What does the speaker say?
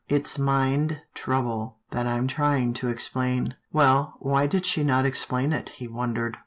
It's mind trouble that I'm trying to explain." Well, why did she not explain it, he wondered.